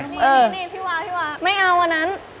นี่พี่หวาไม่เอาว่านั้น